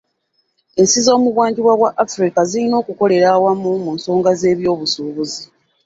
Ensi z'omu bugwanjuba bwa Africa zirina okukolera awamu mu nsonga z'ebyobusuubuzi.